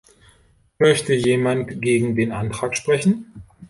Möchte jemand gegen den Antrag sprechen?